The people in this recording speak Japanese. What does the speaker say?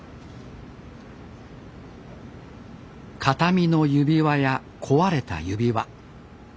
形見の指輪や壊れた指輪。